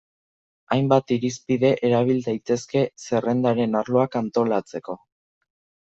Hainbat irizpide erabil daitezke zerrendaren arloak antolatzeko.